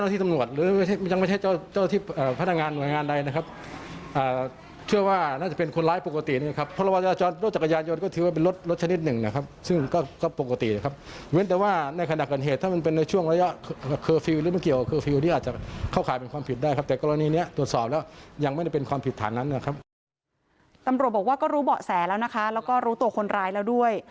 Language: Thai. ตำรวจบอกว่าก็รู้เบาะแสแล้วนะคะแล้วก็รู้ตัวคนร้ายแล้วด้วย